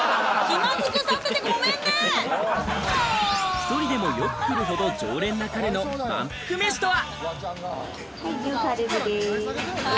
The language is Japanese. １人でもよく来るほど常連な彼のまんぷく飯とは？